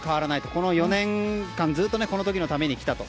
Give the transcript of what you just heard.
この４年間ずっとこの時のために来たと。